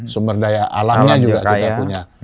sumber daya alamnya juga kita punya